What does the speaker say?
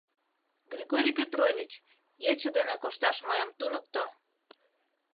— Григорий Петрович, ече дене кошташ мыйым туныкто!..